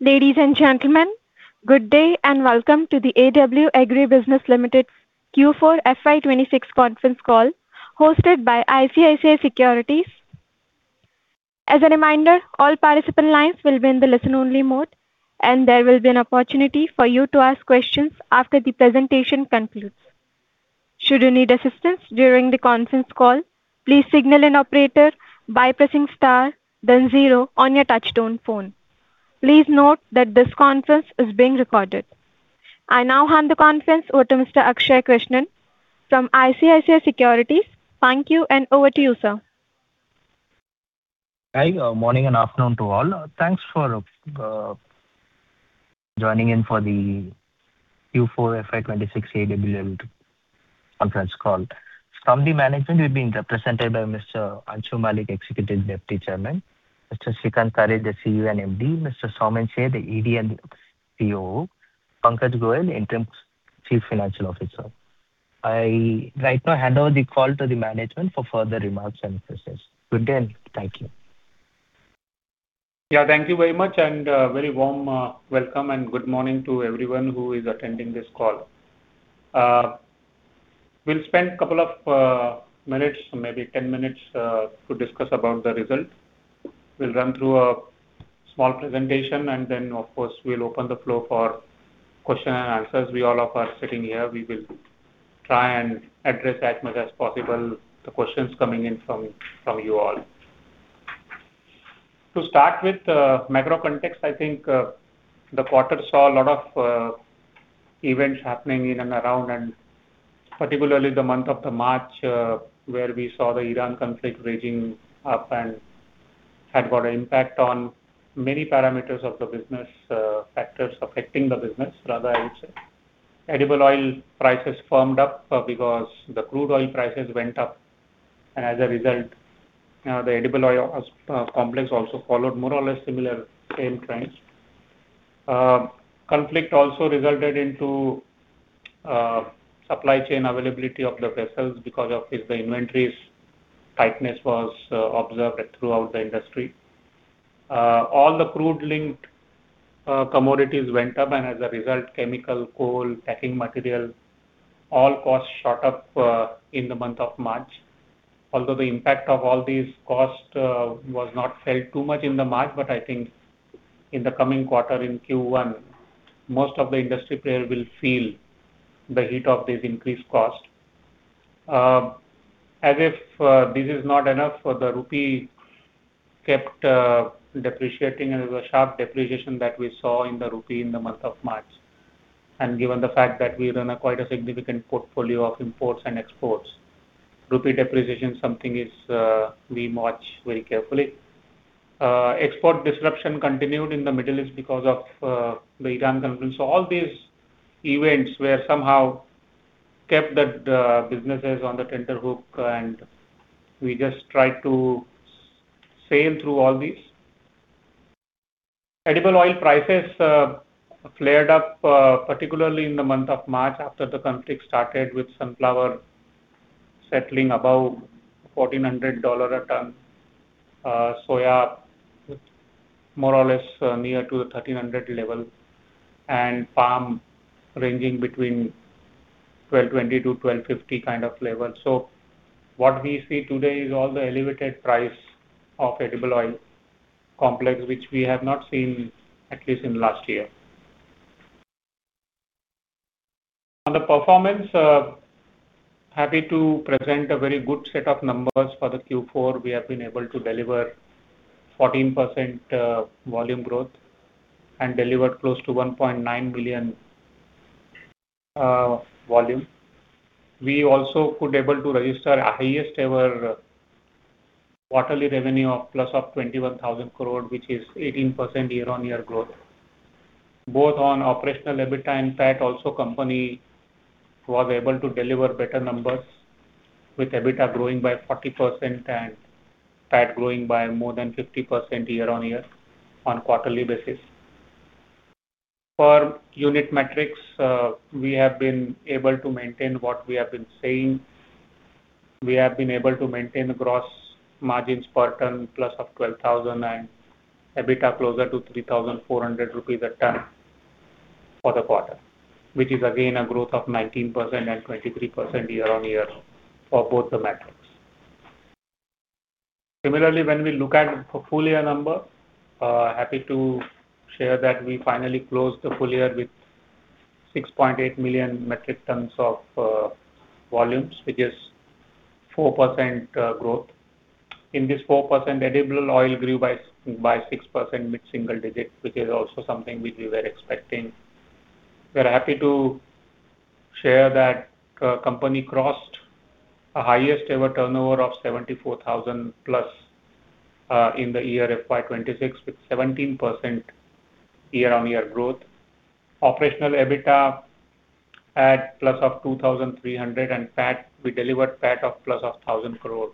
Ladies and gentlemen, good day, and welcome to the AWL Agri Business Limited Q4 FY 2026 conference call hosted by ICICI Securities. As a reminder, all participant lines will be in the listen-only mode, and there will be an opportunity for you to ask questions after the presentation concludes. Should you need assistance during the conference call, please signal an operator by pressing star then zero on your touchtone phone. Please note that this conference is being recorded. I now hand the conference over to Mr. Akshay Krishnan from ICICI Securities. Thank you, and over to you, sir. Hi. Morning and afternoon to all. Thanks for joining in for the Q4 FY 2026 AWL Agri conference call. From the management, we're being represented by Mr. Angshu Mallick, Executive Deputy Chairman; Mr. Shrikant Kanhere, the CEO and MD; Mr. Saumin Sheth, the ED and COO; Pankaj Goyal, Interim Chief Financial Officer. I right now hand over the call to the management for further remarks and process. Good day, and thank you. Yeah, thank you very much, and a very warm, welcome and good morning to everyone who is attending this call. We'll spend a couple of minutes, maybe 10 minutes, to discuss about the results. We'll run through a small presentation. Then, of course, we'll open the floor for question and answers. We all of us sitting here, we will try and address as much as possible the questions coming in from you all. To start with the macro context, I think, the quarter saw a lot of events happening in and around, and particularly the month of March, where we saw the Iran conflict raging up and had got an impact on many parameters of the business, factors affecting the business rather I would say. Edible oil prices firmed up, because the crude oil prices went up, and as a result, the edible oil, complex also followed more or less similar same trends. conflict also resulted into, supply chain availability of the vessels. Because of this, the inventories tightness was observed throughout the industry. All the crude-linked, commodities went up, and as a result, chemical, coal, packing material, all costs shot up, in the month of March. Although the impact of all these costs, was not felt too much in the March, I think in the coming quarter, in Q1, most of the industry player will feel the heat of this increased cost. as if, this is not enough for the rupee kept, depreciating. It was a sharp depreciation that we saw in the rupee in the month of March. Given the fact that we run a quite a significant portfolio of imports and exports, rupee depreciation something is, we watch very carefully. Export disruption continued in the Middle East because of the Iran conflict. All these events were somehow kept the businesses on the tenterhook, and we just try to sail through all these. Edible oil prices flared up particularly in the month of March after the conflict started, with sunflower settling above $1,400 a ton. Soya more or less near to the $1,300 level, and palm ranging between $1,220-$1,250 kind of level. What we see today is all the elevated price of edible oil complex, which we have not seen at least in last year. On the performance, happy to present a very good set of numbers for the Q4. We have been able to deliver 14% volume growth and delivered close to 1.9 million volume. We also could able to register our highest ever quarterly revenue of plus of 21,000 crore, which is 18% year-on-year growth. Both on operational EBITDA and PAT also company was able to deliver better numbers, with EBITDA growing by 40% and PAT growing by more than 50% year-on-year on quarterly basis. For unit metrics, we have been able to maintain what we have been saying. We have been able to maintain the gross margins per ton plus of 12,000 and EBITDA closer to 3,400 rupees a ton for the quarter, which is again a growth of 19% and 23% year-on-year for both the metrics. Similarly, when we look at the full year number, happy to share that we finally closed the full year with 6.8 million metric tons of volumes, which is 4% growth. In this 4%, edible oil grew by 6% mid-single digits, which is also something which we were expecting. We are happy to share that company crossed a highest ever turnover of 74,000+ in the year FY 2026, with 17% year-on-year growth. Operational EBITDA at +2,300. PAT, we delivered PAT of +1,000 crore,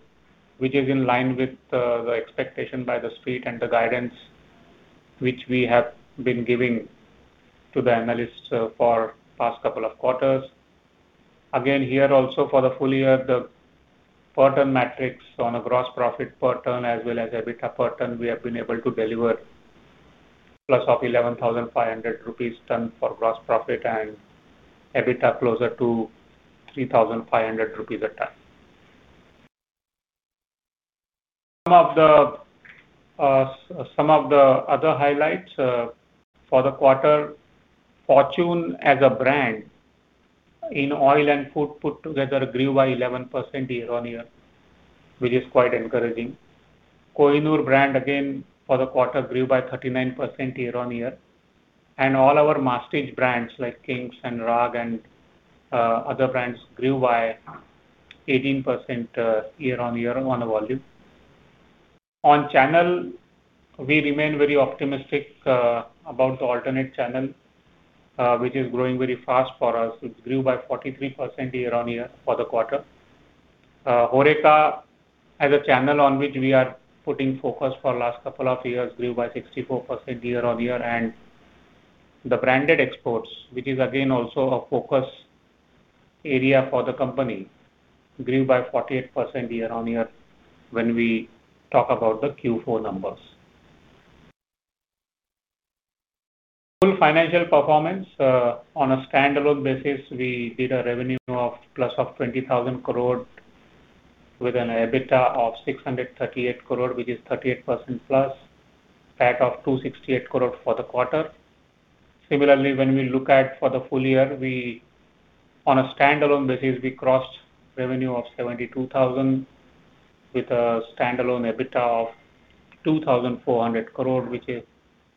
which is in line with the expectation by The Street and the guidance which we have been giving to the analysts for past couple of quarters. Here also for the full year, the per ton metrics on a gross profit per ton as well as EBITDA per ton, we have been able to deliver +11,500 rupees per ton for gross profit and EBITDA closer to 3,500 rupees per ton. Some of the other highlights for the quarter, Fortune as a brand in oil and food put together grew by 11% year-on-year, which is quite encouraging. Kohinoor brand for the quarter grew by 39% year-on-year. All our masstige brands like King's and Raag and other brands grew by 18% year-on-year on the volume. On channel, we remain very optimistic about the alternate channel, which is growing very fast for us. It grew by 43% year-on-year for the quarter. HoReCa as a channel on which we are putting focus for last couple of years grew by 64% year-on-year. The branded exports, which is again also a focus area for the company, grew by 48% year-on-year when we talk about the Q4 numbers. Full financial performance on a standalone basis, we did a revenue of plus of 20,000 crore with an EBITDA of 638 crore, which is 38%+, PAT of 268 crore for the quarter. Similarly, when we look at for the full year, on a standalone basis, we crossed revenue of 72,000 with a standalone EBITDA of 2,400 crore,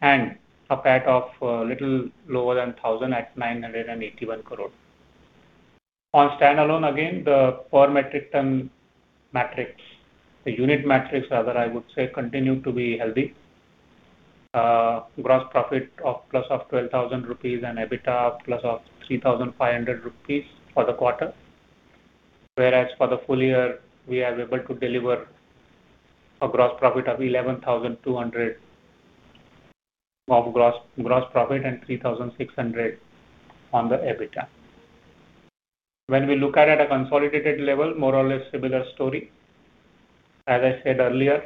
and a PAT of little lower than 1,000 at 981 crore. On standalone, again, the per metric ton metrics, the unit metrics rather I would say continue to be healthy. Gross profit of +12,000 rupees and EBITDA of +3,500 rupees for the quarter. Whereas for the full year, we are able to deliver a gross profit of 11,200 and 3,600 on the EBITDA. When we look at a consolidated level, more or less similar story. As I said earlier,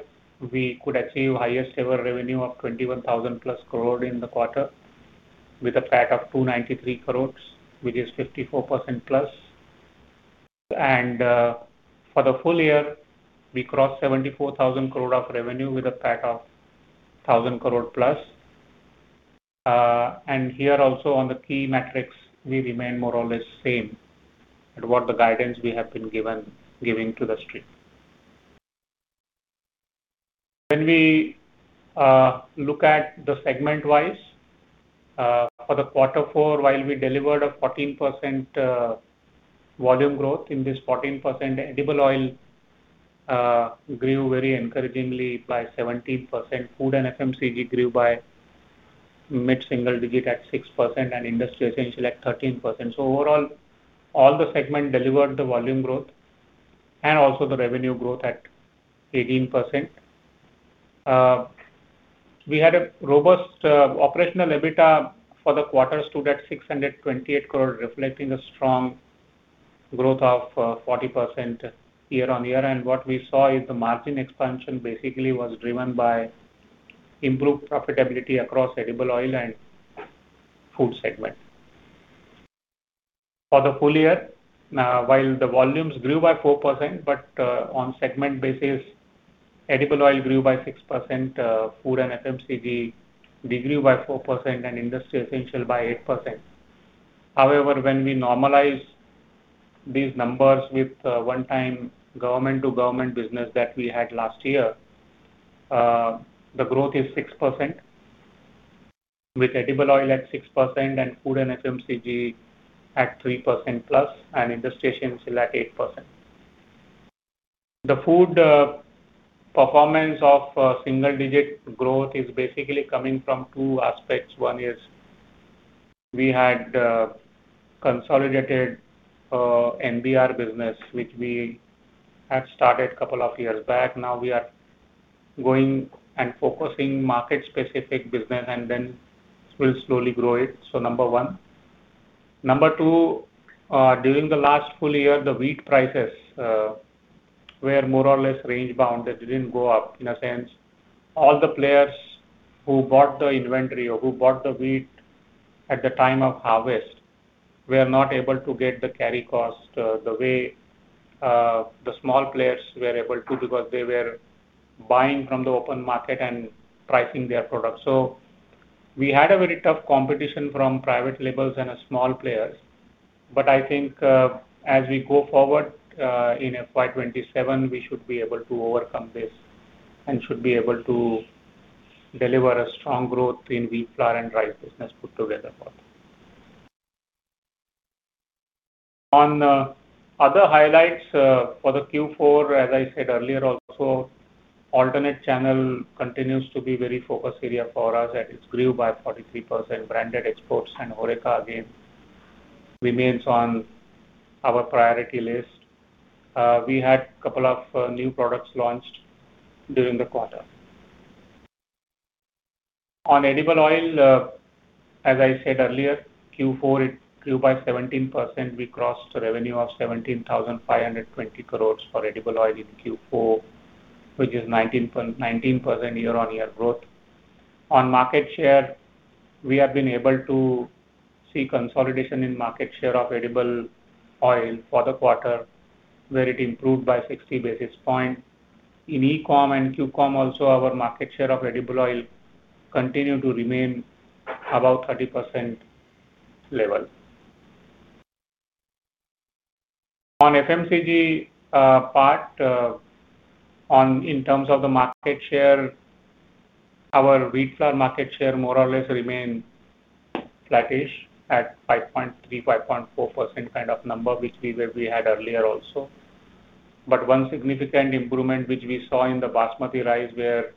we could achieve highest ever revenue of 21,000+ crore in the quarter with a PAT of 293 crore, which is 54%+. For the full year, we crossed 74,000 crore of revenue with a PAT of 1,000+ crore. Here also on the key metrics, we remain more or less same at what the guidance we have been giving to the street. When we look at the segment-wise for Q4, while we delivered a 14% volume growth, in this 14% edible oil grew very encouragingly by 17%. Food and FMCG grew by mid-single digit at 6% and industry essential at 13%. Overall, all the segment delivered the volume growth and also the revenue growth at 18%. We had a robust operational EBITDA for the quarter stood at 628 crore, reflecting a strong growth of 40% year-on-year. What we saw is the margin expansion basically was driven by improved profitability across edible oil and food segment. For the full year, while the volumes grew by 4%, but on segment basis, edible oil grew by 6%, food and FMCG did grew by 4%, and industry essential by 8%. When we normalize these numbers with one-time government to government business that we had last year, the growth is 6%, with edible oil at 6% and food and FMCG at 3%+, and industry essential at 8%. The food performance of single-digit growth is basically coming from two aspects. One is we had consolidated NBR business, which we had started couple of years back. Now we are going and focusing market specific business and then will slowly grow it. Number one. Number two, during the last full year, the wheat prices were more or less range bound. They didn't go up. In a sense, all the players who bought the inventory or who bought the wheat at the time of harvest were not able to get the carry cost the way the small players were able to because they were buying from the open market and pricing their product. We had a very tough competition from private labels and small players. I think, as we go forward, in FY 2027, we should be able to overcome this and should be able to deliver a strong growth in wheat flour and rice business put together for them. On other highlights for the Q4, as I said earlier also, alternate channel continues to be very focus area for us as it grew by 43%. Branded exports and HoReCa again remains on our priority list. We had couple of new products launched during the quarter. On edible oil, as I said earlier, Q4 it grew by 17%. We crossed revenue of 17,520 crores for edible oil in Q4, which is 19% year-on-year growth. On market share, we have been able to see consolidation in market share of edible oil for the quarter, where it improved by 60 basis points. In E-com and Q-com also our market share of edible oil continue to remain above 30% level. On FMCG part, in terms of the market share, our wheat flour market share more or less remain flattish at 5.3%, 5.4% kind of number, which we had earlier also. One significant improvement which we saw in the basmati rice, where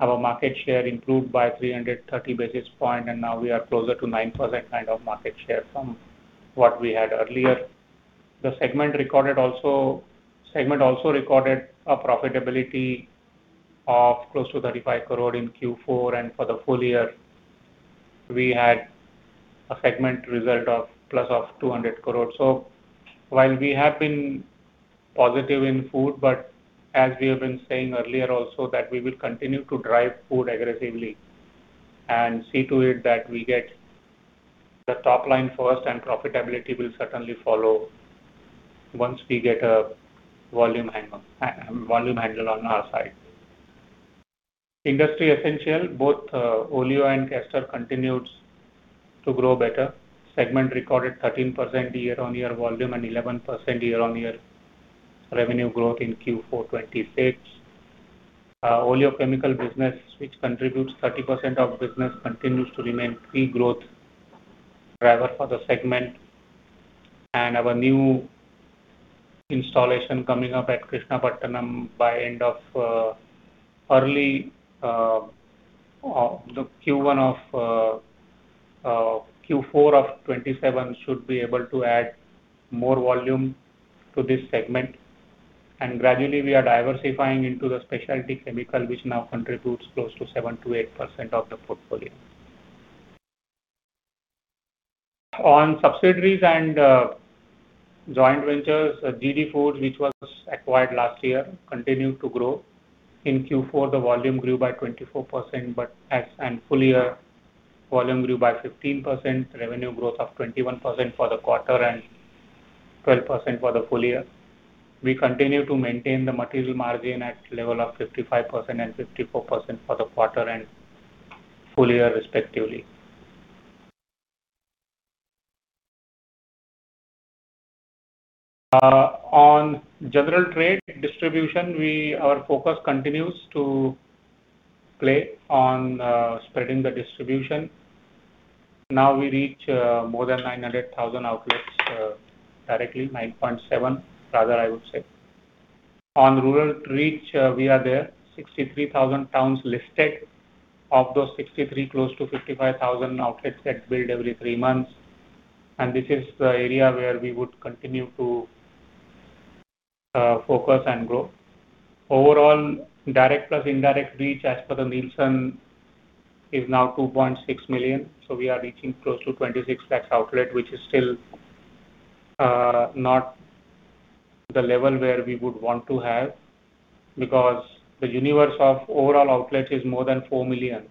our market share improved by 330 basis points, and now we are closer to 9% kind of market share from what we had earlier. Segment also recorded a profitability of close to 35 crore in Q4, and for the full year we had a segment result of plus of 200 crore. While we have been positive in food, but as we have been saying earlier also that we will continue to drive food aggressively and see to it that we get the top line first, and profitability will certainly follow once we get a volume angle, volume handle on our side. Industry essential, both, oleo and castor continues to grow better. Segment recorded 13% year-on-year volume and 11% year-on-year revenue growth in Q4 FY 2028. Our oleochemical business, which contributes 30% of business, continues to remain key growth driver for the segment. Our new installation coming up at Krishnapatnam by end of, early, the Q1 of Q4 of 2027 should be able to add more volume to this segment. Gradually, we are diversifying into the specialty chemical, which now contributes close to 7%-8% of the portfolio. On subsidiaries and joint ventures, GD Foods, which was acquired last year, continued to grow. In Q4, the volume grew by 24%, full year volume grew by 15%, revenue growth of 21% for the quarter and 12% for the full year. We continue to maintain the material margin at level of 55% and 54% for the quarter and full year respectively. On general trade distribution our focus continues to play on spreading the distribution. Now we reach more than 900,000 outlets directly, 9.7, rather I would say. On rural reach, we are there, 63,000 towns listed. Of those 63, close to 55,000 outlets get built every three months, and this is the area where we would continue to focus and grow. Overall, direct plus indirect reach as per the Nielsen is now 2.6 million, so we are reaching close to 26,000 outlet, which is still not the level where we would want to have because the universe of overall outlet is more than four million.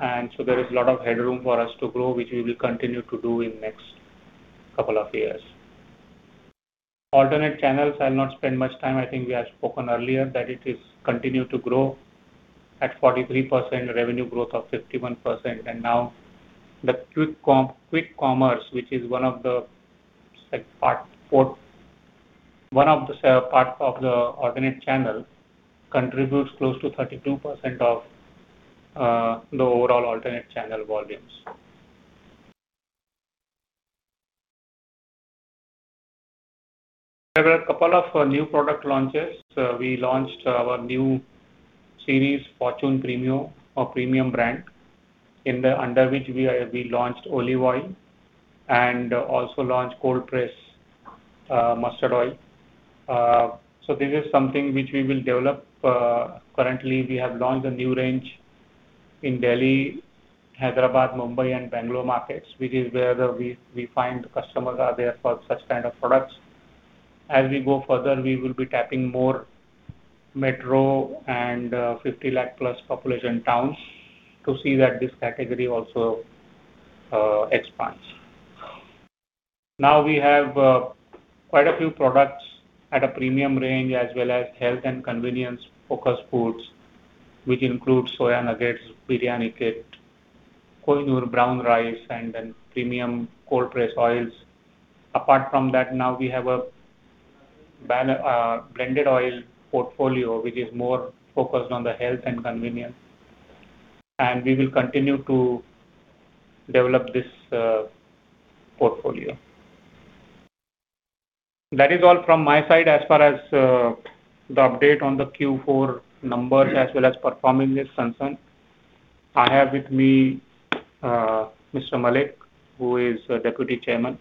There is a lot of headroom for us to grow, which we will continue to do in next couple of years. Alternate channels, I'll not spend much time. I think we have spoken earlier that it is continued to grow at 43%, revenue growth of 51%. Now the quick commerce which is one of the, like part of the alternate channel, contributes close to 32% of the overall alternate channel volumes. There were a couple of new product launches. We launched our new series, Fortune Premio or premium brand under which we launched Olive Oil and also launched Cold Press Mustard Oil. This is something which we will develop. Currently we have launched a new range in Delhi, Hyderabad, Mumbai and Bangalore markets, which is where we find customers are there for such kind of products. As we go further, we will be tapping more metro and 50 lakh plus population towns to see that this category also expands. Now we have quite a few products at a premium range as well as health and convenience-focused foods, which include soya nuggets, Biryani Kit, Kohinoor Brown Rice, and then premium Cold Press oils. Apart from that, now we have a brand Blended Oil portfolio, which is more focused on the health and convenience. We will continue to develop this portfolio. That is all from my side as far as the update on the Q4 numbers as well as performance is concerned. I have with me Mr. Mallick, who is Deputy Chairman.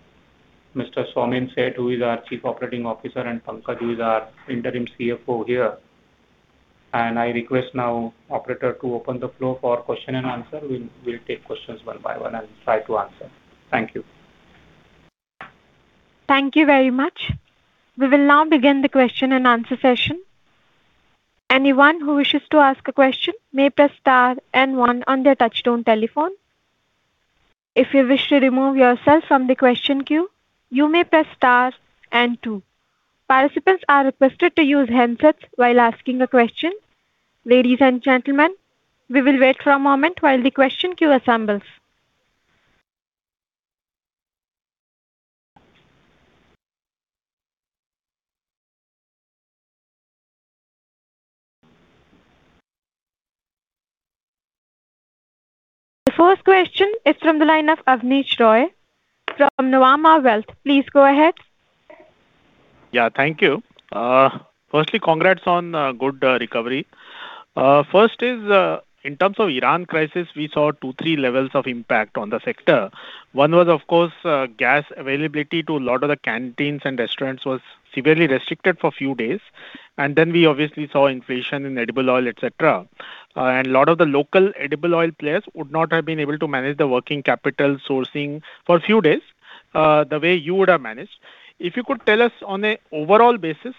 Mr. Saumin Sheth, who is our Chief Operating Officer, and Pankaj, who is our Interim CFO here. I request now operator to open the floor for question and answer. We'll take questions one by one and try to answer. Thank you. Thank you very much. We will now begin the question-and-answer session. Anyone who wishes to ask a question may press star and one on their touchtone telephone. If you wish to remove yourself from the question queue, you may press star and two. Participants are requested to use handsets while asking a question. Ladies and gentlemen, we will wait for a moment while the question queue assembles. The first question is from the line of Abneesh Roy from Nuvama Wealth. Please go ahead. Yeah, thank you. Firstly, congrats on good recovery. First is, in terms of Iran crisis, we saw two, three levels of impact on the sector. One was, of course, gas availability to a lot of the canteens and restaurants was severely restricted for few days. We obviously saw inflation in edible oil, et cetera. A lot of the local edible oil players would not have been able to manage the working capital sourcing for a few days, the way you would have managed. If you could tell us on a overall basis,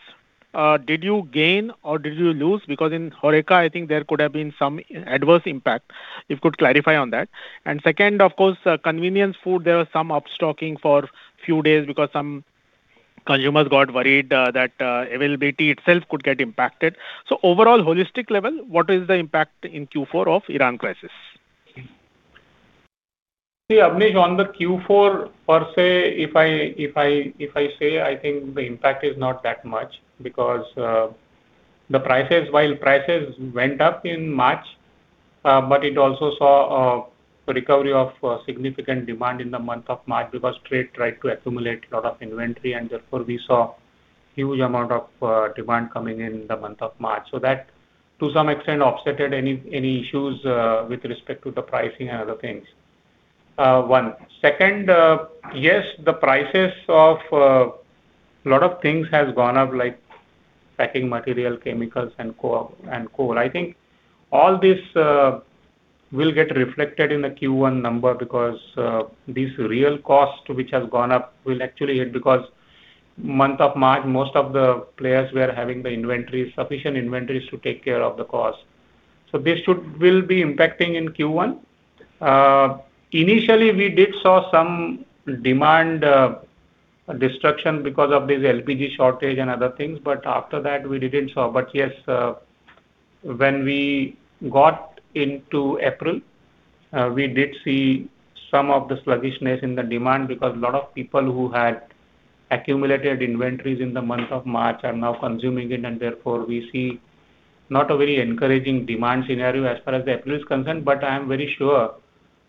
did you gain or did you lose? Because in HoReCa, I think there could have been some adverse impact. If you could clarify on that. Second, of course, convenience food, there was some up-stocking for few days because some consumers got worried that availability itself could get impacted. Overall holistic level, what is the impact in Q4 of Iran crisis? See, Abneesh, on the Q4 per se, if I say, I think the impact is not that much because the prices, while prices went up in March, but it also saw a recovery of significant demand in the month of March because trade tried to accumulate a lot of inventory, and therefore we saw huge amount of demand coming in the month of March. That, to some extent, offsetted any issues with respect to the pricing and other things. One. Second, yes, the prices of lot of things has gone up, like packing material, chemicals and coal. I think all this will get reflected in the Q1 number because this real cost which has gone up will actually hit because month of March, most of the players were having the inventory, sufficient inventories to take care of the cost. This will be impacting in Q1. Initially, we did saw some demand destruction because of this LPG shortage and other things, after that we didn't saw. Yes, when we got into April, we did see some of the sluggishness in the demand because a lot of people who had accumulated inventories in the month of March are now consuming it, and therefore we see not a very encouraging demand scenario as far as the April is concerned. I'm very sure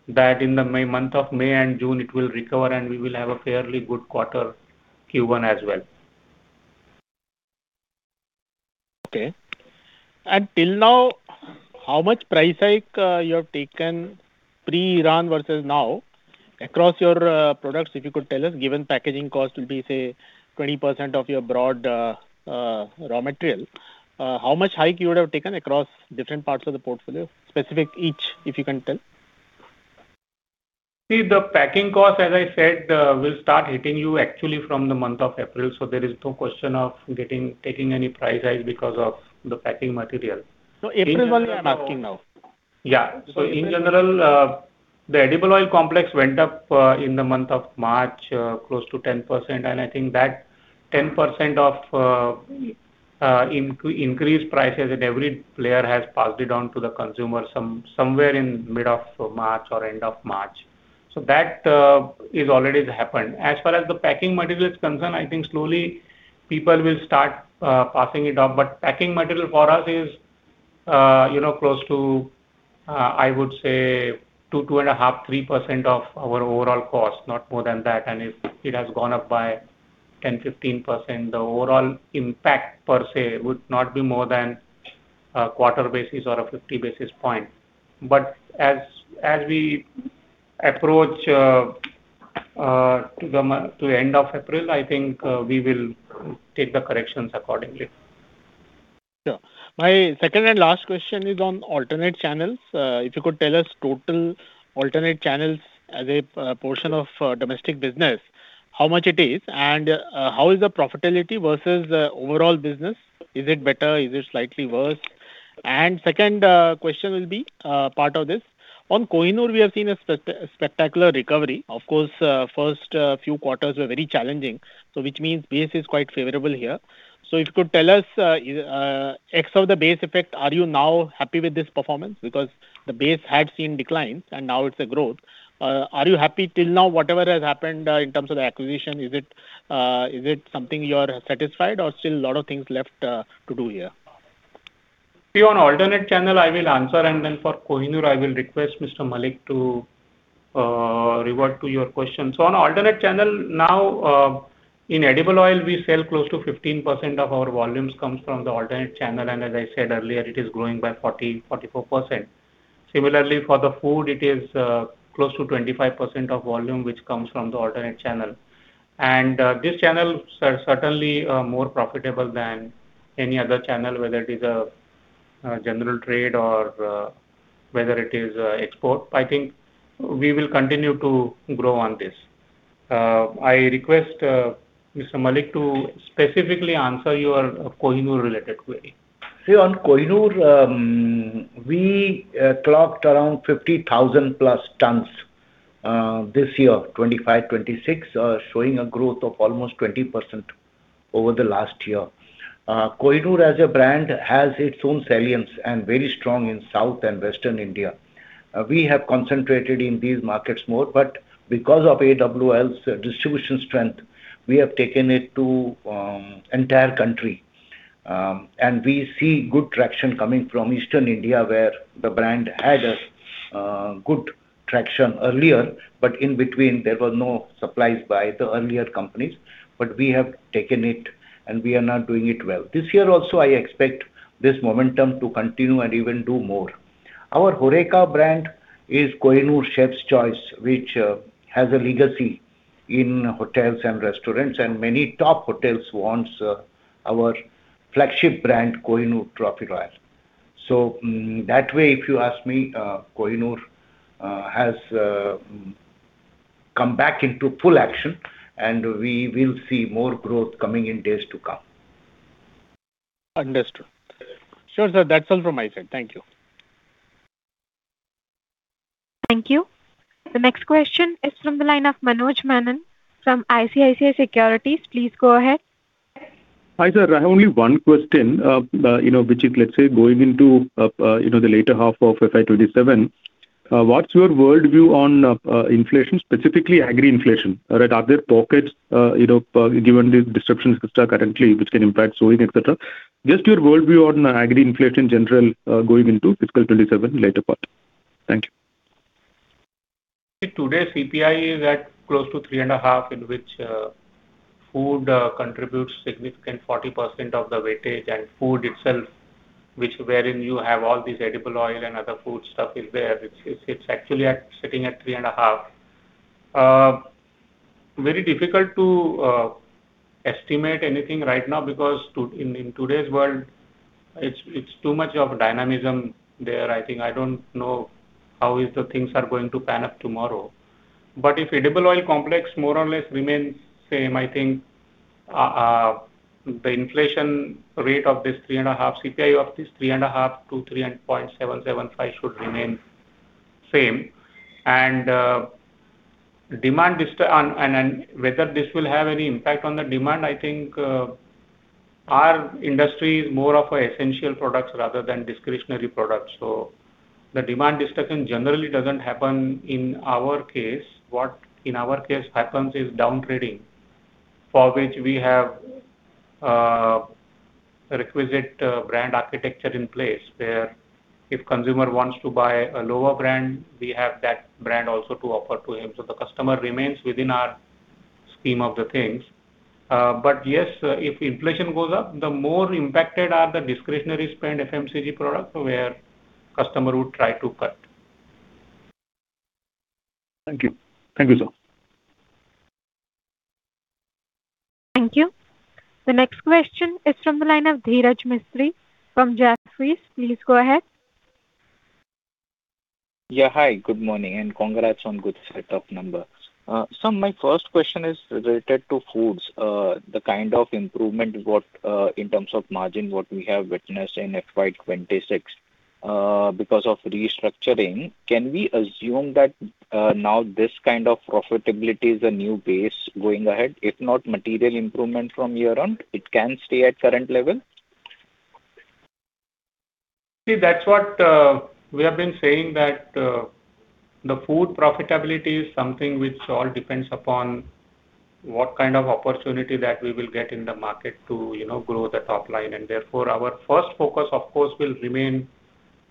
that in the month of May and June, it will recover, and we will have a fairly good quarter, Q1 as well. Okay. Till now, how much price hike, you have taken pre-Iran versus now across your products, if you could tell us, given packaging cost will be, say, 20% of your broad, raw material. How much hike you would have taken across different parts of the portfolio, specific each, if you can tell? The packing cost, as I said, will start hitting you actually from the month of April, so there is no question of taking any price hike because of the packing material. April volume I'm asking now. Yeah. In general, the edible oil complex went up close to 10%, I think that 10% of increased prices and every player has passed it on to the consumer somewhere in mid of March or end of March. That is already happened. As far as the packing material is concerned, I think slowly people will start passing it on. Packing material for us is, you know, close to, I would say 2%, 2.5%, 3% of our overall cost, not more than that. If it has gone up by 10%, 15%, the overall impact per se would not be more than a quarter basis or a 50 basis point. As we approach to the end of April, I think, we will take the corrections accordingly. Sure. My second and last question is on alternate channels. If you could tell us total alternate channels as a portion of domestic business, how much it is, and how is the profitability versus overall business? Is it better? Is it slightly worse? Second, question will be part of this. On Kohinoor, we have seen a spectacular recovery. Of course, first few quarters were very challenging, so which means base is quite favorable here. So if you could tell us ex of the base effect, are you now happy with this performance? Because the base had seen declines and now it's a growth. Are you happy till now, whatever has happened in terms of the acquisition, is it something you are satisfied or still a lot of things left to do here? See, on alternate channel, I will answer, and then for Kohinoor, I will request Mr. Mallick to revert to your question. On alternate channel now, in edible oil, we sell close to 15% of our volumes comes from the alternate channel, and as I said earlier, it is growing by 40%-44%. Similarly, for the food, it is close to 25% of volume which comes from the alternate channel. This channel are certainly more profitable than any other channel, whether it is a general trade or whether it is export. I think we will continue to grow on this. I request Mr. Mallick to specifically answer your Kohinoor related query. On Kohinoor, we clocked around 50,000+ tons this year, FY 2025-2026, showing a growth of almost 20% over the last year. Kohinoor as a brand has its own salience and very strong in South and Western India. We have concentrated in these markets more, because of AWL's distribution strength, we have taken it to entire country. We see good traction coming from Eastern India, where the brand had a good traction earlier, but in between there were no supplies by the earlier companies. We have taken it, and we are now doing it well. This year also, I expect this momentum to continue and even do more. Our HoReCa brand is Kohinoor Chef's Choice, which has a legacy in hotels and restaurants, and many top hotels wants our flagship brand, Kohinoor Trophy. That way, if you ask me, Kohinoor has come back into full action, and we will see more growth coming in days to come. Understood. Sure, sir. That's all from my side. Thank you. Thank you. The next question is from the line of Manoj Menon from ICICI Securities. Please go ahead. Hi, sir. I have only one question. You know, which is, let's say, going into, you know, the later half of FY 2027, what's your world view on inflation, specifically agri inflation? Right. Are there pockets, you know, given the disruptions which are currently, which can impact sowing, et cetera, just your world view on agri inflation in general, going into fiscal 2027 later part. Thank you. See, today, CPI is at close to 3.5, in which, food contributes significant 40% of the weightage, and food itself, which wherein you have all these edible oil and other foodstuff is there. It's actually sitting at 3.5. Very difficult to estimate anything right now because in today's world, it's too much of dynamism there. I think I don't know how is the things are going to pan out tomorrow. If edible oil complex more or less remains same, I think the inflation rate of this 3.5 CPI, of this 3.5-3.75 should remain same. Whether this will have any impact on the demand, I think our industry is more of an essential products rather than discretionary products. The demand disruption generally doesn't happen in our case. What, in our case, happens is downgrading, for which we have requisite brand architecture in place. Where if consumer wants to buy a lower brand, we have that brand also to offer to him. The customer remains within our scheme of the things. Yes, if inflation goes up, the more impacted are the discretionary spend FMCG products, where customer would try to cut. Thank you. Thank you, sir. Thank you. The next question is from the line of Dhiraj Mistry from Jefferies. Please go ahead. Yeah. Hi, good morning, and congrats on good set of numbers. My first question is related to foods. The kind of improvement what, in terms of margin, what we have witnessed in FY 2026, because of restructuring. Can we assume that, now this kind of profitability is a new base going ahead? If not material improvement from year on, it can stay at current level? See, that's what, we have been saying that, the food profitability is something which all depends upon what kind of opportunity that we will get in the market to, you know, grow the top line. Our first focus, of course, will remain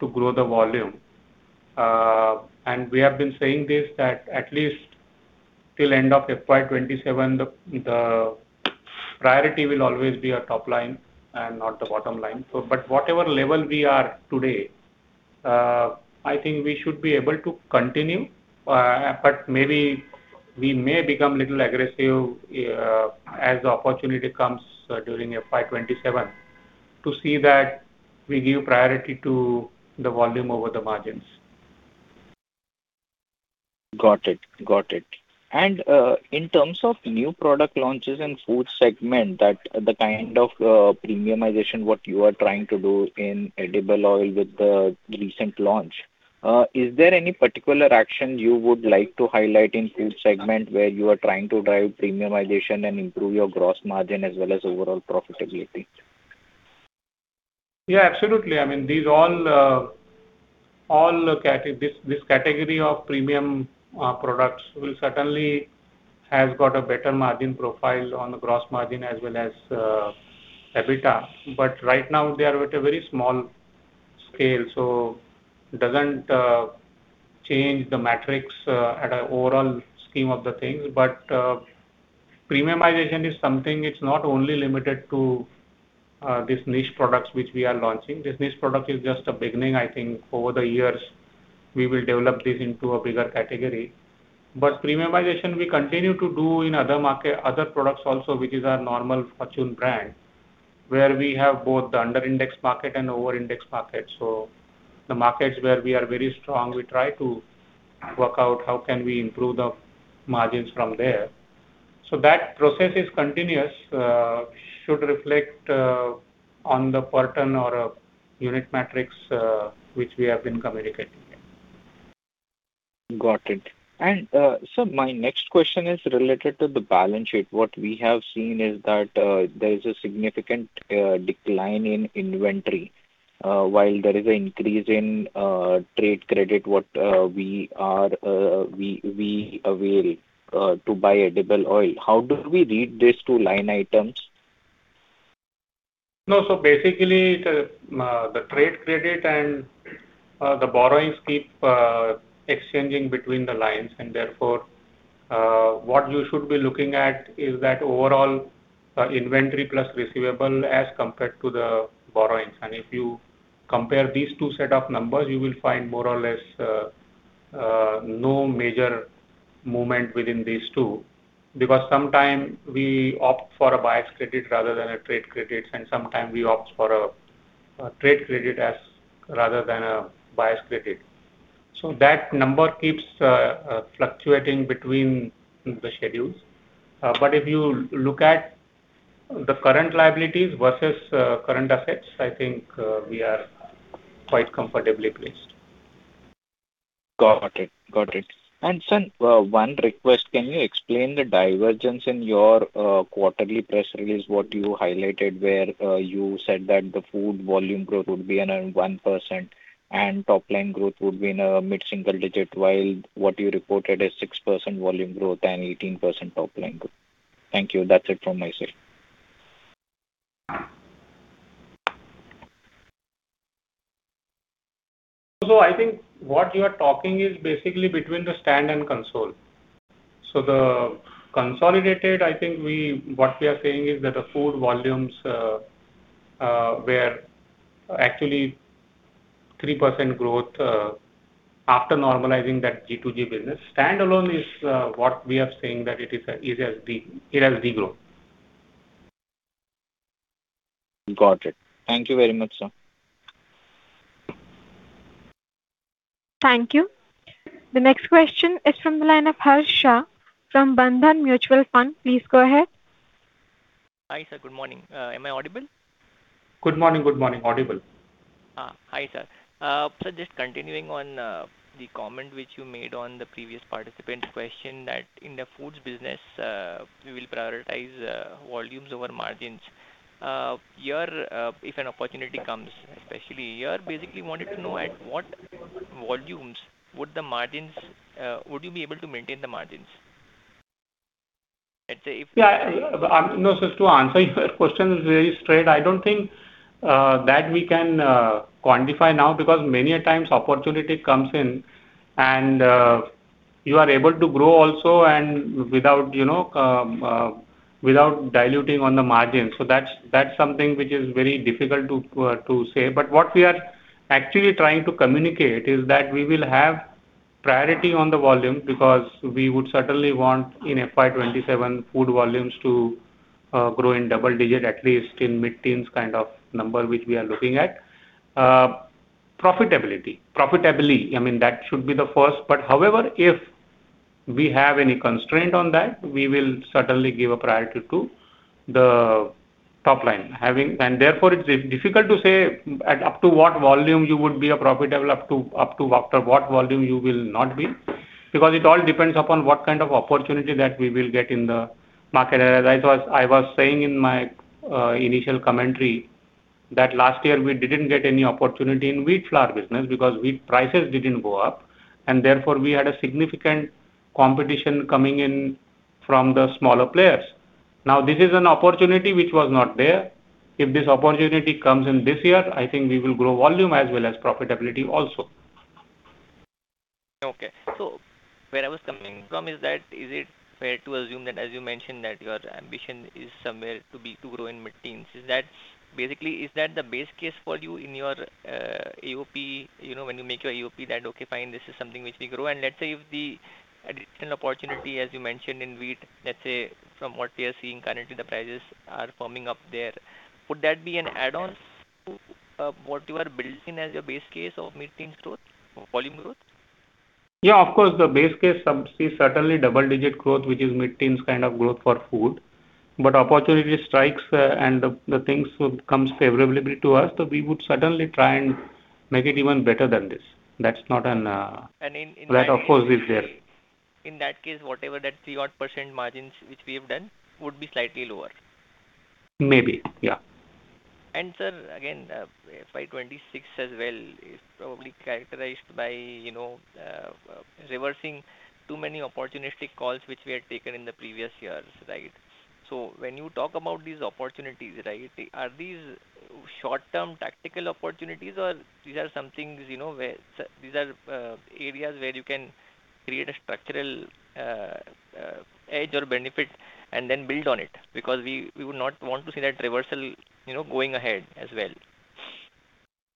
to grow the volume. We have been saying this, that at least till end of FY 2027, the priority will always be a top line and not the bottom line. Whatever level we are today, I think we should be able to continue. Maybe we may become little aggressive, as the opportunity comes during FY 2027 to see that we give priority to the volume over the margins. Got it. Got it. In terms of new product launches in food segment, that the kind of premiumization what you are trying to do in edible oil with the recent launch, is there any particular action you would like to highlight in food segment where you are trying to drive premiumization and improve your gross margin as well as overall profitability? Yeah, absolutely. I mean, this category of premium products will certainly has got a better margin profile on the gross margin as well as EBITDA. Right now they are at a very small scale, so doesn't change the metrics at a overall scheme of the things. Premiumization is something, it's not only limited to this niche products which we are launching. This niche product is just a beginning. I think over the years we will develop this into a bigger category. Premiumization we continue to do in other products also, which is our normal Fortune brand, where we have both the under-indexed market and over-indexed market. The markets where we are very strong, we try to work out how can we improve the margins from there. That process is continuous, should reflect on the pattern or unit metrics, which we have been communicating. Got it. Sir, my next question is related to the balance sheet. What we have seen is that there is a significant decline in inventory, while there is an increase in trade credit, what we avail to buy edible oil. How do we read these two line items? Basically the trade credit and the borrowings keep exchanging between the lines, and therefore, what you should be looking at is that overall inventory plus receivable as compared to the borrowings. If you compare these two set of numbers, you will find more or less no major movement within these two. Sometime we opt for a buyer's credit rather than a trade credit, and sometime we opt for a trade credit as rather than a buyer's credit. That number keeps fluctuating between the schedules. If you look at the current liabilities versus current assets, I think we are quite comfortably placed. Got it. Got it. Sir, one request. Can you explain the divergence in your quarterly press release, what you highlighted, where you said that the food volume growth would be around 1% and top line growth would be in a mid-single digit, while what you reported is 6% volume growth and 18% top line growth. Thank you. That's it from myself. I think what you are talking is basically between the stand and console. The consolidated, I think what we are saying is that the food volumes were actually 3% growth after normalizing that G2G business. Standalone is what we are saying, that it is a year as the growth. Got it. Thank you very much, sir. Thank you. The next question is from the line of [Harsh] from Bandhan Mutual Fund. Please go ahead. Hi, sir. Good morning. Am I audible? Good morning. Good morning, everybody. Hi, sir. Just continuing on the comment which you made on the previous participant question that in the foods business you will prioritize volumes over margins. Or, if an opportunity comes, especially here, basically wanted to know at what volumes would you be able to maintain the margins? Let's say if- To answer your question very straight, I don't think that we can quantify now because many a times opportunity comes in and you are able to grow also and without you know without diluting on the margin. That's something which is very difficult to say. What we are actually trying to communicate is that we will have priority on the volume because we would certainly want in FY 2027 food volumes to grow in double digit, at least in mid-teens kind of number, which we are looking at. Profitability, I mean, that should be the first. However, if we have any constraint on that, we will certainly give a priority to the top line. Therefore it's difficult to say up to what volume you would be profitable, up to after what volume you will not be. Because it all depends upon what kind of opportunity that we will get in the market. As I was saying in my initial commentary that last year we didn't get any opportunity in wheat flour business because wheat prices didn't go up, and therefore we had a significant competition coming in from the smaller players. Now, this is an opportunity which was not there. If this opportunity comes in this year, I think we will grow volume as well as profitability also. Okay. Where I was coming from is that, is it fair to assume that, as you mentioned, that your ambition is somewhere to be, to grow in mid-teens? Basically, is that the base case for you in your AOP? You know, when you make your AOP, that okay, fine, this is something which we grow. Let's say if the additional opportunity, as you mentioned in wheat, let's say from what we are seeing currently, the prices are firming up there. Would that be an add-on to, what you are building as your base case of mid-teens growth or volume growth? Yeah, of course, the base case, we certainly double-digit growth, which is mid-teens kind of growth for food. Opportunity strikes, and the things come favorably to us, so we would certainly try and make it even better than this. That's not an And in, in that case- That of course is there. In that case, whatever that three odd percent margins which we have done would be slightly lower. Maybe, yeah. Sir, again, FY 2026 as well is probably characterized by, you know, reversing too many opportunistic calls which we had taken in the previous years, right? When you talk about these opportunities, right, are these short-term tactical opportunities or these are something, you know, where these are areas where you can create a structural edge or benefit and then build on it? Because we would not want to see that reversal, you know, going ahead as well.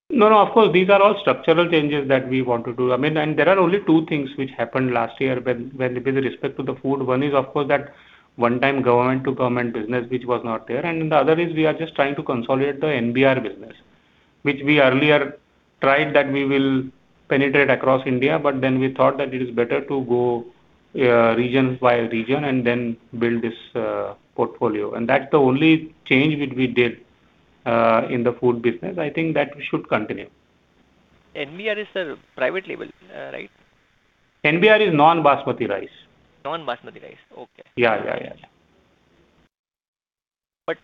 No, no, of course, these are all structural changes that we want to do. I mean, there are only two things which happened last year when with respect to the food. One is, of course, that one time government-to-government business which was not there, and the other is we are just trying to consolidate the NBR business, which we earlier tried that we will penetrate across India, but then we thought that it is better to go, region by region and then build this, portfolio. That's the only change which we did, in the food business. I think that should continue. NBR is the private label, right? NBR is non-basmati rice. non-basmati rice. Okay. Yeah, yeah.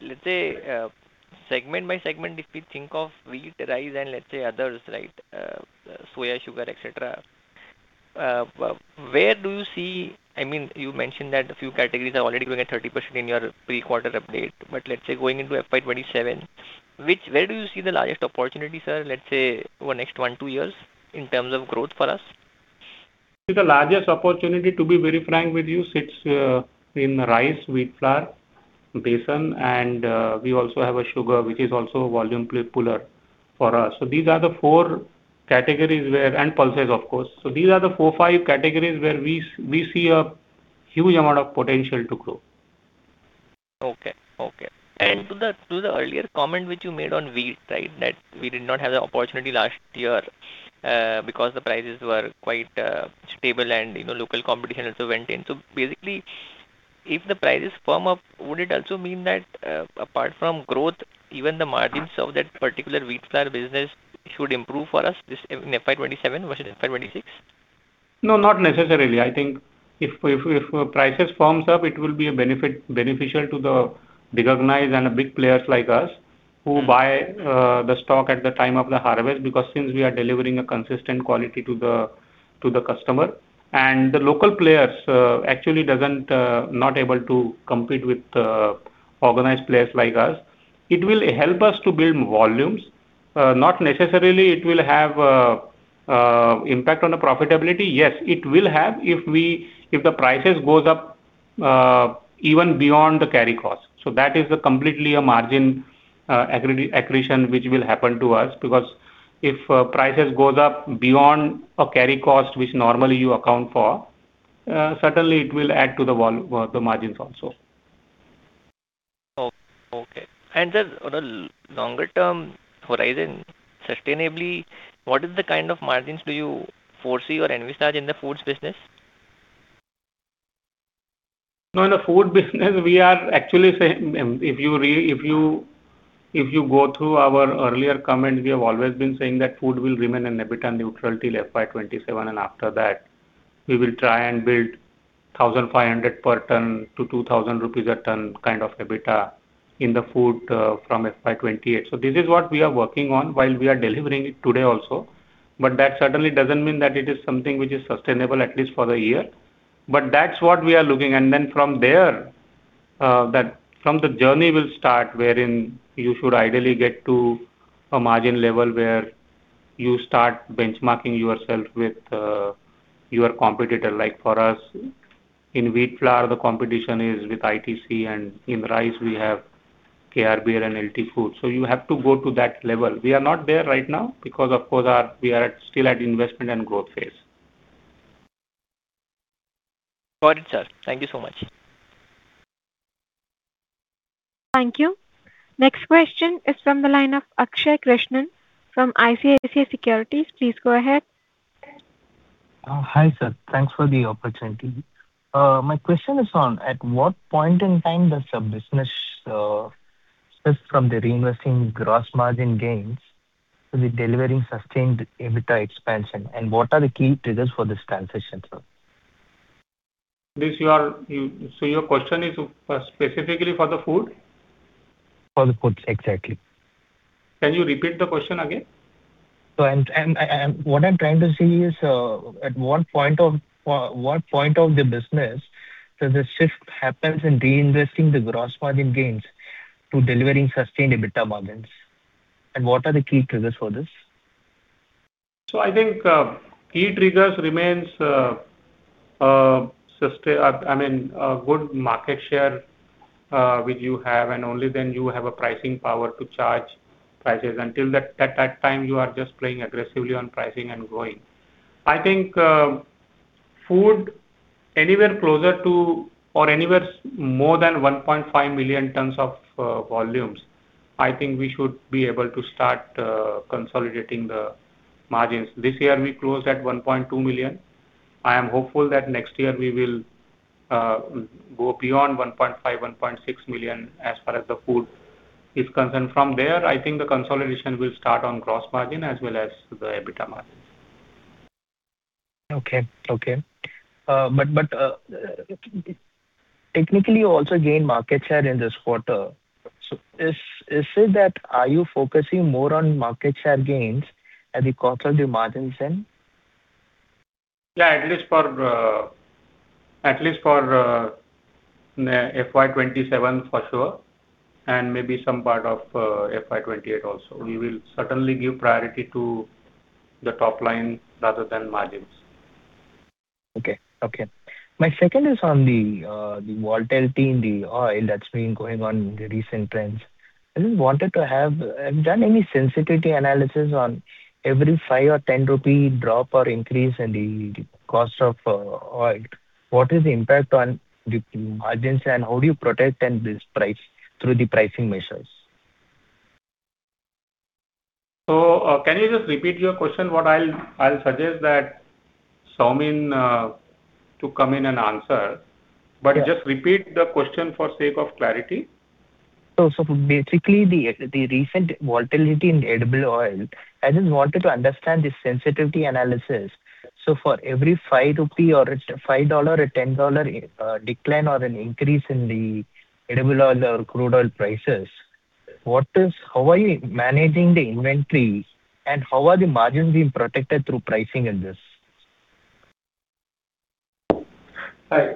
Let's say, segment by segment, if we think of wheat, rice, and let's say others, right, soya, sugar, et cetera, where do you see? I mean, you mentioned that a few categories are already growing at 30% in your pre-quarter update. Let's say going into FY 2027, where do you see the largest opportunity, sir, let's say over next one, two years in terms of growth for us? The largest opportunity, to be very frank with you, sits in rice, wheat flour, besan, and we also have a sugar which is also a volume puller for us. These are the four categories and pulses, of course. These are the four, five categories where we see a huge amount of potential to grow. Okay. To the earlier comment which you made on wheat, right? That we did not have the opportunity last year, because the prices were quite stable and, you know, local competition also went in. Basically, if the prices firm up, would it also mean that, apart from growth, even the margins of that particular wheat flour business should improve for us this, in FY 2027 versus FY 2026? No, not necessarily. I think if prices firm up, it will be beneficial to the organized and the big players like us who buy the stock at the time of the harvest because we are delivering a consistent quality to the customer. The local players actually aren't able to compete with organized players like us. It will help us to build volumes. Not necessarily it will have an impact on the profitability. Yes, it will have if the prices go up even beyond the carry cost. That is a complete margin accretion which will happen to us because if prices go up beyond a carry cost which normally you account for, certainly it will add to the margins also. Oh, okay. Just on a longer term horizon, sustainably, what is the kind of margins do you foresee or envisage in the foods business? No, in the food business we are actually saying. If you go through our earlier comments, we have always been saying that food will remain EBITDA neutral till FY 2027, and after that we will try and build 1,500-2,000 rupees a ton kind of EBITDA in the food from FY 2028. This is what we are working on while we are delivering it today also. That certainly doesn't mean that it is something which is sustainable at least for the year. That's what we are looking. Then from there, that from the journey will start wherein you should ideally get to a margin level where you start benchmarking yourself with your competitor. Like for us in wheat flour, the competition is with ITC, and in rice we have KRBL and LT Foods. You have to go to that level. We are not there right now because, of course, we are at, still at investment and growth phase. Got it, sir. Thank you so much. Thank you. Next question is from the line of Akshay Krishnan from ICICI Securities. Please go ahead. Oh, hi, sir. Thanks for the opportunity. My question is on at what point in time does the business shift from the reinvesting gross margin gains to the delivering sustained EBITDA expansion, and what are the key triggers for this transition, sir? Your question is specifically for the food? For the food, exactly. Can you repeat the question again? What I'm trying to say is, at what point of the business does the shift happens in reinvesting the gross margin gains to delivering sustained EBITDA margins, and what are the key triggers for this? I think key triggers remains, I mean, a good market share, which you have, and only then you have a pricing power to charge prices. Until that, at that time, you are just playing aggressively on pricing and growing. I think food anywhere closer to or anywhere more than 1.5 million tons of volumes, I think we should be able to start consolidating the margins. This year we closed at 1.2 million. I am hopeful that next year we will go beyond 1.5 million, 1.6 million as far as the food is concerned. From there, I think the consolidation will start on gross margin as well as the EBITDA margin. Okay, but technically you also gained market share in this quarter. Is it that you are focusing more on market share gains at the cost of the margins then? Yeah, at least for FY 2027 for sure, and maybe some part of FY 2028 also. We will certainly give priority to the top line rather than margins. Okay. My second is on the volatility in the oil that's been going on in the recent trends. Have you done any sensitivity analysis on every 5 or 10 rupee drop or increase in the cost of oil? What is the impact on the margins, and how do you protect and this price through the pricing measures? Can you just repeat your question? What I'll suggest that Saumin to come in and answer. Yeah. Just repeat the question for sake of clarity. Basically the recent volatility in edible oil, I just wanted to understand the sensitivity analysis. For every 5 rupee or it's a $5 or $10, decline or an increase in the edible oil or crude oil prices, what is How are you managing the inventory, and how are the margins being protected through pricing in this? I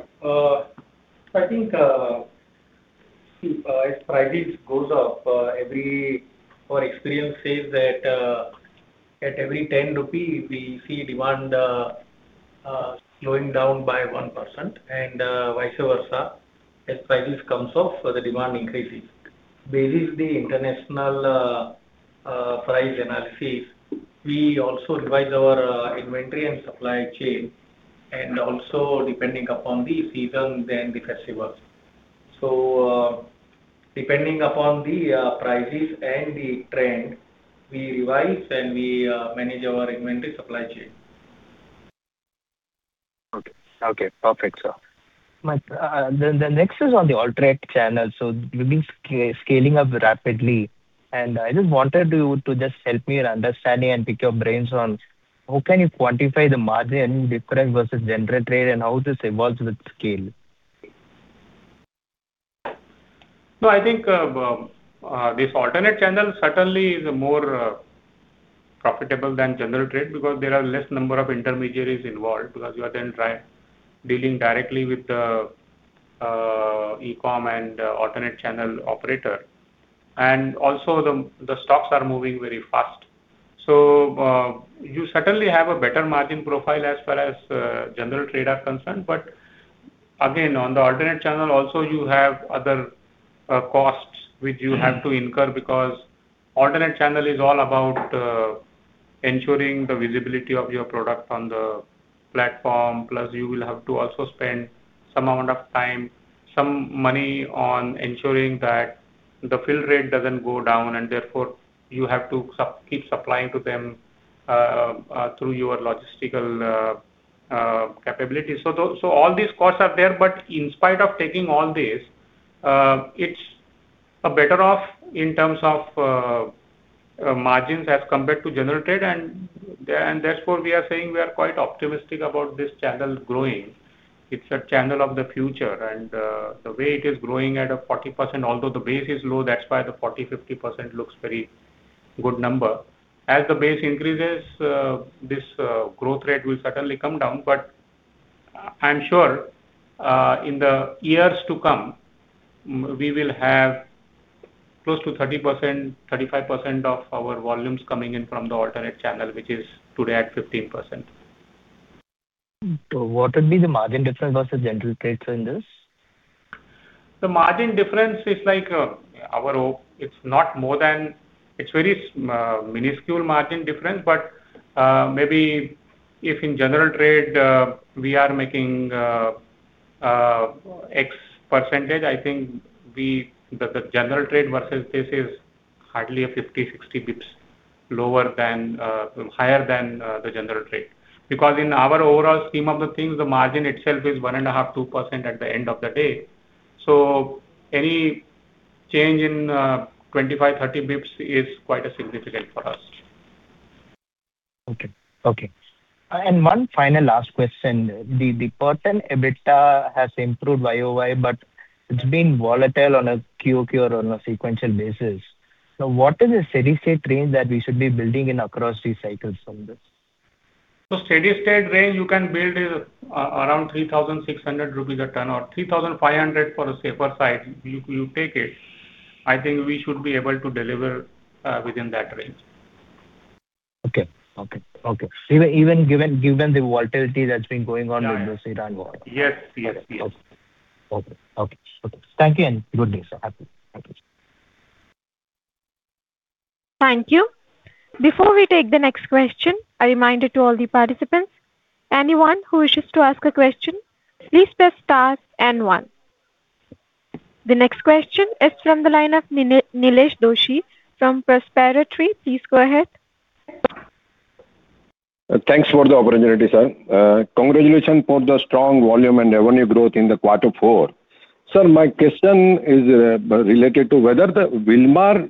think if prices goes up, our experience says that at every 10 rupee we see demand slowing down by 1%, and vice versa. As prices comes up, the demand increases. Based on the international price analysis, we also revise our inventory and supply chain, and also depending upon the seasons and the customers. Depending upon the prices and the trend, we revise and we manage our inventory supply chain. Okay. Okay, perfect, sir. My next is on the alternate channel. You've been scaling up rapidly, and I just wanted you to just help me in understanding and pick your brains on how can you quantify the margin difference versus general trade, and how this evolves with scale? No, I think this alternate channel certainly is more profitable than general trade because there are less number of intermediaries involved, because you are then dealing directly with the e-com and alternate channel operator. Also the stocks are moving very fast. You certainly have a better margin profile as far as general trade are concerned. Again, on the alternate channel also you have other costs which you have to incur because alternate channel is all about ensuring the visibility of your product on the platform, plus you will have to also spend some amount of time, some money on ensuring that the fill rate doesn't go down, and therefore you have to keep supplying to them through your logistical capabilities. All these costs are there, but in spite of taking all this, it's better off in terms of margins as compared to general trade and therefore we are saying we are quite optimistic about this channel growing. It's a channel of the future and the way it is growing at a 40%, although the base is low, that's why the 40, 50% looks very good number. As the base increases, this growth rate will certainly come down. I'm sure in the years to come, we will have close to 30%, 35% of our volumes coming in from the alternate channel, which is today at 15%. What would be the margin difference versus general trades in this? The margin difference is like our. It's not more than. It's very minuscule margin difference but maybe if in general trade we are making x percentage. I think the general trade versus this is hardly a 50-60 basis points lower than higher than the general trade. Because in our overall scheme of the things, the margin itself is 1.5%-2% at the end of the day. Any change in 25-30 basis points is quite a significant for us. Okay. One final last question. The pertinent EBITDA has improved YOY, but it's been volatile on a QOQ or on a sequential basis. Now what is the steady state range that we should be building in across these cycles from this? Steady state range you can build is around 3,600 rupees a ton or 3,500 for a safer side. If you take it, I think we should be able to deliver within that range. Okay. Even given the volatility that's been going on. Yeah, yeah. with the raw material and what. Yes. Yes. Yes. Okay. Thank you and good day, sir. Happy. Thank you. Thank you. Before we take the next question, a reminder to all the participants, anyone who wishes to ask a question, please press star and one. The next question is from the line of Nilesh Doshi from Prospero Tree. Please go ahead. Thanks for the opportunity, sir. Congratulations for the strong volume and revenue growth in the quarter four. Sir, my question is related to whether the Wilmar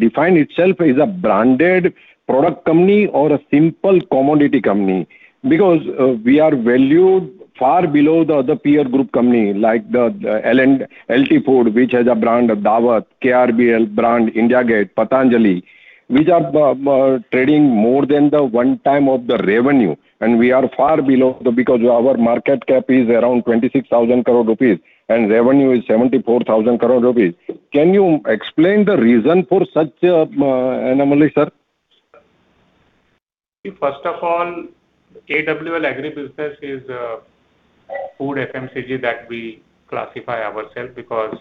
define itself as a branded product company or a simple commodity company. Because we are valued far below the other peer group company like LT Foods, which has a brand of Daawat, KRBL brand, India Gate, Patanjali. We are trading more than 1x the revenue, and we are far below because our market cap is around 26,000 crore rupees and revenue is 74,000 crore rupees. Can you explain the reason for such a anomaly, sir? First of all, AWL Agri Business is a food FMCG that we classify ourselves because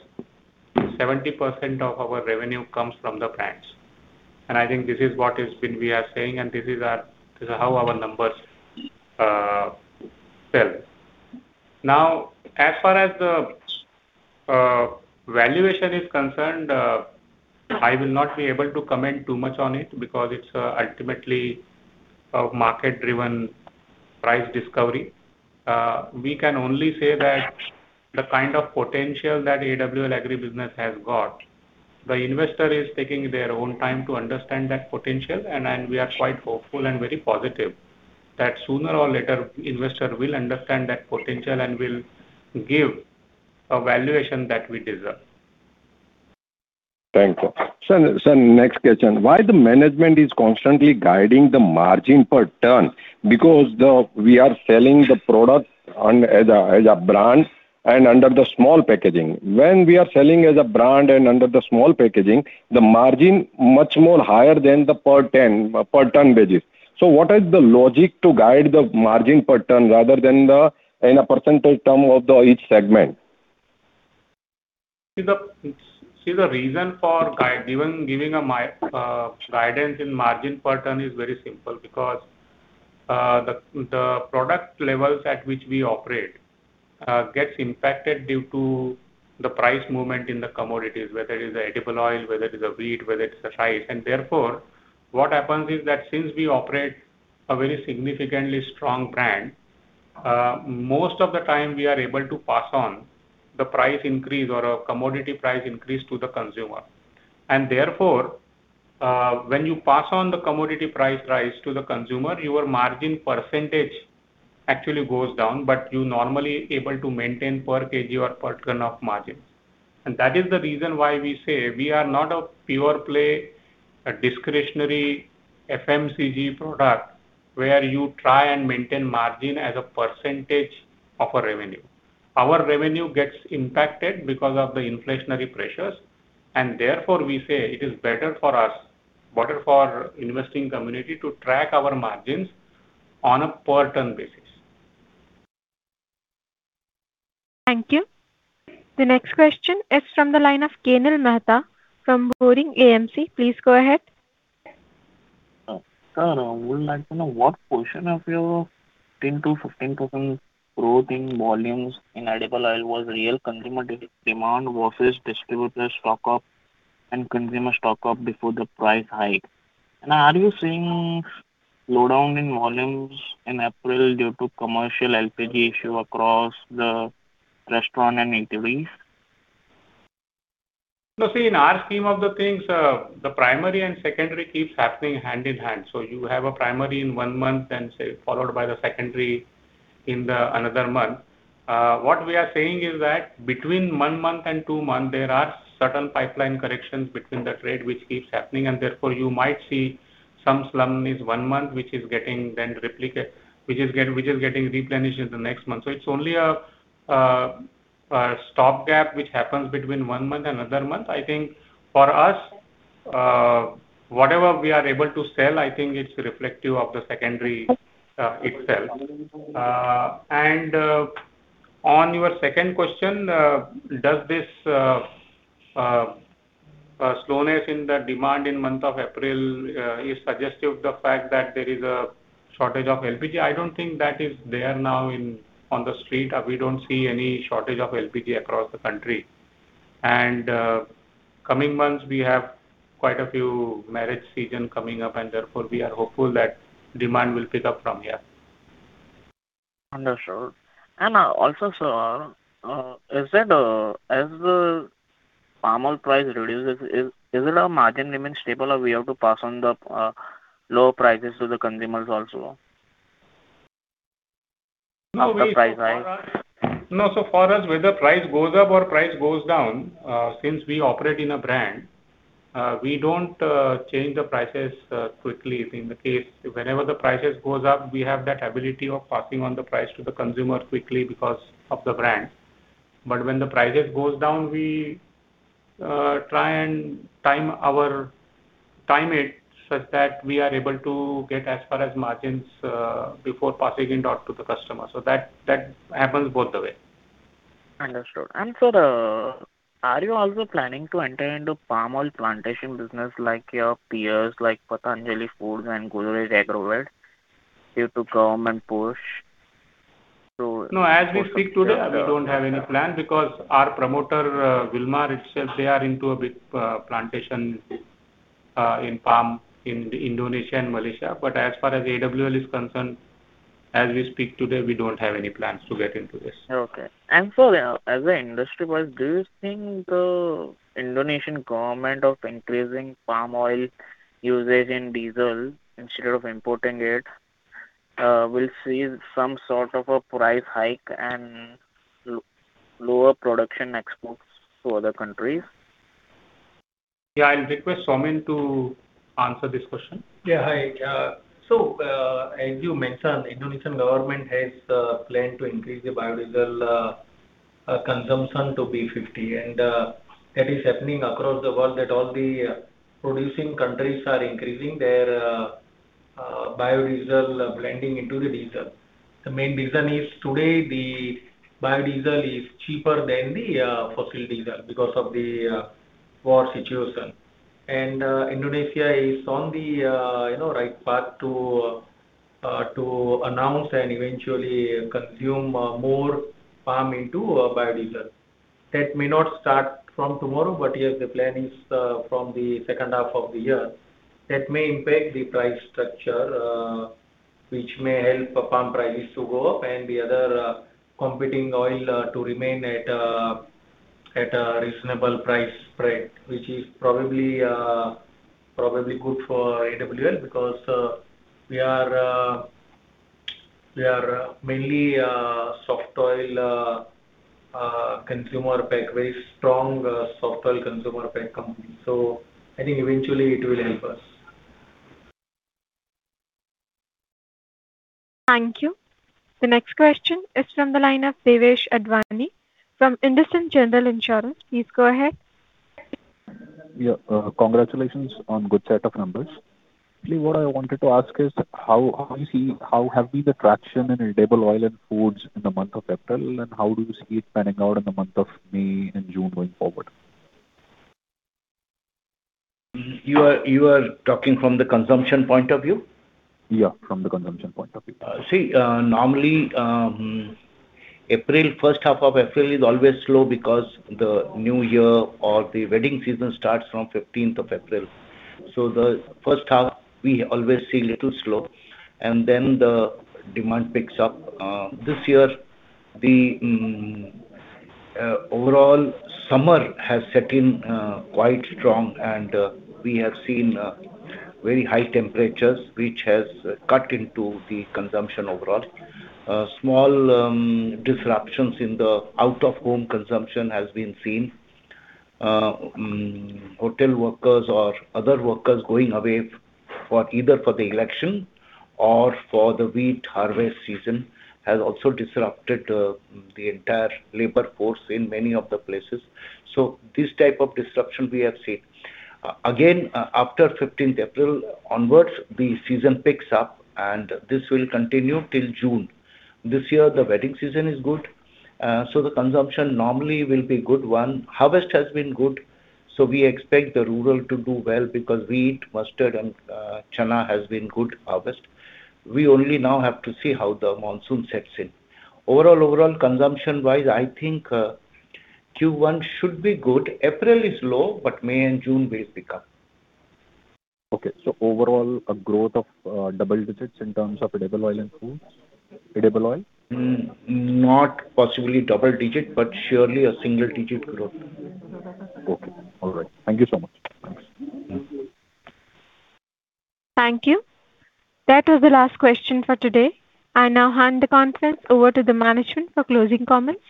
70% of our revenue comes from the brands. I think this is what we've been saying, and this is how our numbers sell. Now, as far as the valuation is concerned, I will not be able to comment too much on it because it's ultimately a market-driven price discovery. We can only say that the kind of potential that AWL Agri Business has got, the investor is taking their own time to understand that potential, and we are quite hopeful and very positive that sooner or later investor will understand that potential and will give a valuation that we deserve. Thank you. Next question. Why the management is constantly guiding the margin per ton? Because we are selling the products as a brand and under the small packaging. When we are selling as a brand and under the small packaging, the margin much more higher than the per ton basis. What is the logic to guide the margin per ton rather than in a percentage term of the each segment? The reason for giving guidance in margin per ton is very simple because the product levels at which we operate gets impacted due to the price movement in the commodities, whether it is edible oil, whether it is a wheat, whether it's a rice. Therefore, what happens is that since we operate a very significantly strong brand, most of the time we are able to pass on the price increase or a commodity price increase to the consumer. Therefore, when you pass on the commodity price rise to the consumer, your margin percentage actually goes down, but you normally able to maintain per kg or per ton of margin. That is the reason why we say we are not a pure play, a discretionary FMCG product where you try and maintain margin as a percentage of a revenue. Our revenue gets impacted because of the inflationary pressures, and therefore, we say it is better for us, better for investing community to track our margins on a per ton basis. Thank you. The next question is from the line of Kenil Mehta from Boring AMC. Please go ahead. Sir, I would like to know what portion of your 10%-15% growth in volumes in edible oil was real consumer demand versus distributor stock-up and consumer stock-up before the price hike. Are you seeing slowdown in volumes in April due to commercial LPG issue across the restaurant and retail? No, see, in our scheme of the things, the primary and secondary keeps happening hand in hand. You have a primary in one month and, say, followed by the secondary in another month. What we are saying is that between one month and two months, there are certain pipeline corrections between the trade which keeps happening, and therefore, you might see some slump in one month, which is getting replenished in the next month. It's only a stock gap which happens between one month and another month. I think for us, whatever we are able to sell, I think it's reflective of the secondary itself. On your second question, does this slowness in the demand in month of April is suggestive the fact that there is a shortage of LPG? I don't think that is there now on the street. We don't see any shortage of LPG across the country. Coming months, we have quite a few marriage season coming up, and therefore, we are hopeful that demand will pick up from here. Understood. Also, sir, is it as the palm oil price reduces, is it our margin remains stable or we have to pass on the low prices to the consumers also? No, we- After price rise. No. For us, whether price goes up or price goes down, since we operate in a brand, we don't change the prices quickly. If in the case, whenever the prices goes up, we have that ability of passing on the price to the consumer quickly because of the brand. But when the prices goes down, we try and time it such that we are able to get as far as margins before passing it out to the customer. That happens both the way. Understood. Sir, are you also planning to enter into palm oil plantation business like your peers, like Patanjali Foods and Godrej Agrovet, worldwide due to government push to? No, as we speak today, we don't have any plan because our promoter, Wilmar itself, they are into a big, plantation, in palm in Indonesia and Malaysia. As far as AWL is concerned, as we speak today, we don't have any plans to get into this. As an industry, what do you think the Indonesian government is increasing palm oil usage in diesel instead of importing it? We'll see some sort of a price hike and lower production exports to other countries. Yeah, I'll request Saumin to answer this question. Yeah, hi. As you mentioned, Indonesian government has planned to increase the biodiesel consumption to be 50, that is happening across the world, that all the producing countries are increasing their biodiesel blending into the diesel. The main reason is today the biodiesel is cheaper than the fossil diesel because of the war situation. Indonesia is on the you know, right path to announce and eventually consume more palm into biodiesel. That may not start from tomorrow, but, yes, the plan is from the second half of the year. That may impact the price structure, which may help palm prices to go up and the other competing oil to remain at a reasonable price spread, which is probably good for AWL because we are mainly soft oil consumer pack very strong soft oil consumer pack company. I think eventually it will help us. Thank you. The next question is from the line of Devesh Advani from IndusInd General Insurance. Please go ahead. Yeah. Congratulations on good set of numbers. Actually, what I wanted to ask is: how have been the traction in edible oil and foods in the month of April, and how do you see it panning out in the month of May and June going forward? You are talking from the consumption point of view? Yeah, from the consumption point of view. See, normally, April, first half of April is always slow because the new year or the wedding season starts from fifteenth of April. The first half we always see a little slow, and then the demand picks up. This year, the overall summer has set in quite strong and we have seen very high temperatures, which has cut into the consumption overall. Small disruptions in the out-of-home consumption has been seen. Hotel workers or other workers going away for either the election or for the wheat harvest season has also disrupted the entire labor force in many of the places. This type of disruption we have seen. Again, after 15th April onwards, the season picks up and this will continue till June. This year the wedding season is good, so the consumption normally will be good one. Harvest has been good, so we expect the rural to do well because wheat, mustard and chana has been good harvest. We only now have to see how the monsoon sets in. Overall, consumption-wise, I think Q1 should be good. April is low, but May and June will pick up. Okay. Overall a growth of double digits in terms of edible oil and foods. Edible oil? Not possibly double digit, but surely a single digit growth. Okay. All right. Thank you so much. Thanks. Thank you. That was the last question for today. I now hand the conference over to the management for closing comments.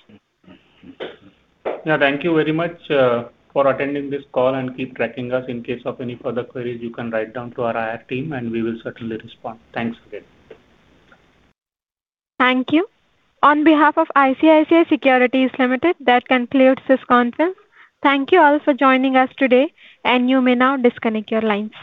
Yeah, thank you very much for attending this call and keep tracking us. In case of any further queries you can write down to our IR team and we will certainly respond. Thanks again. Thank you. On behalf of ICICI Securities Limited, that concludes this conference. Thank you all for joining us today and you may now disconnect your lines.